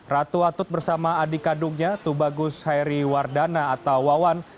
ratu atut bersama adik kandungnya tubagus hairi wardana atau wawan